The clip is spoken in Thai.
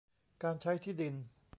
การใช้ที่ดิน